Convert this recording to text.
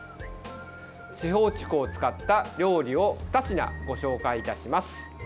四方竹を使った料理を２品ご紹介いたします。